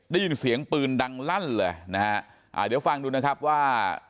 ได้ยินเสียงปืนดังลั่นเลยนะฮะอ่าเดี๋ยวฟังดูนะครับว่า